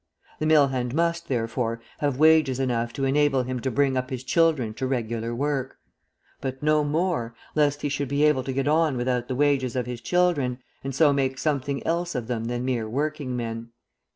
The mill hand must, therefore, have wages enough to enable him to bring up his children to regular work; but no more, lest he should be able to get on without the wages of his children, and so make something else of them than mere working men.